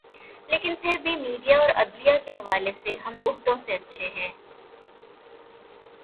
لیکن پھر بھی میڈیا اور عدلیہ کے حوالے سے ہم بہتوں سے اچھے ہیں۔